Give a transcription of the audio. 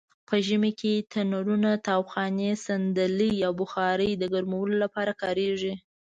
په ژمې کې تنرونه؛ تاوخانې؛ صندلۍ او بخارۍ د ګرمولو لپاره کاریږي.